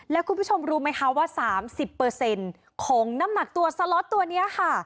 แล้วคุณผู้ชมรู้ไหมคะว่า๓๐ของน้ำหนักตัวสล็อตตัวนี้ค่ะ